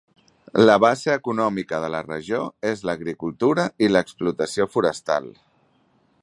La base econòmica de la regió és l'agricultura i l'explotació forestal.